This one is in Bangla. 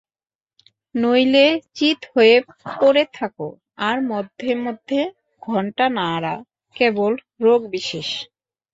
নইলে চিৎ হয়ে পড়ে থাকা আর মধ্যে মধ্যে ঘণ্টা নাড়া, কেবল রোগ বিশেষ।